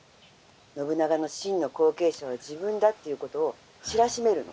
信長の真の後継者は自分だっていうことを知らしめるの。